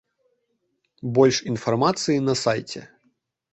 Больш інфармацыі на сайце.